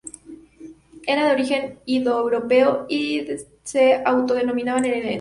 Eran de origen indoeuropeo y se autodenominaban helenos.